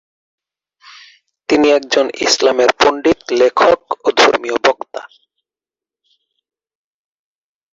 তিনি একজন ইসলামের পণ্ডিত, লেখক ও ধর্মীয় বক্তা।